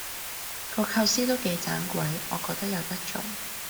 個構思都幾盞鬼，我覺得有得做